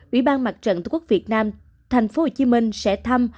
ủy ban mặt trận tổ quốc việt nam thành phố hồ chí minh sẽ thăm